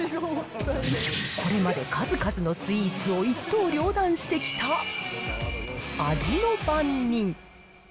これまで数々のスイーツを一刀両断してきた味の番人。